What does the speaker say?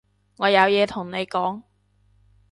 我有嘢同你講